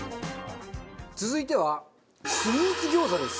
続いてはスイーツ餃子です。